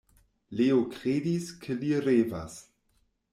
Leo kredis, ke li revas.